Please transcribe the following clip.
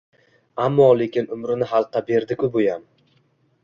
Ammo-lekin umrini xalqqa berdi-ku buyam!